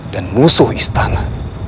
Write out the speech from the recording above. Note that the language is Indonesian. dan musuh istana